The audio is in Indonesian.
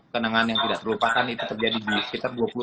kenangan yang tidak terlupakan itu terjadi di sekitar dua puluh tahun yang lalu